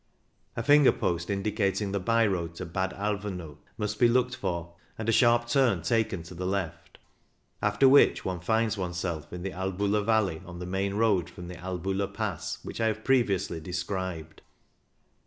A finger post indicating the by road to Bad Alvaneu must be looked for, and a sharp turn taken to the left ; after which one finds one's self in the Albula valley on the main road from, the Albula Pass which I have previously described.